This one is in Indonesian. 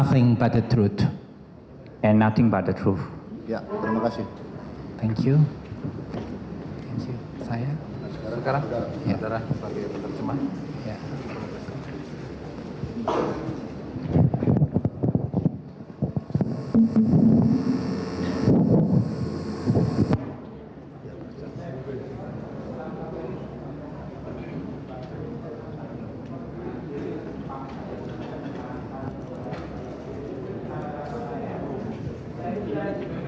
tidak lain daripada yang sebenarnya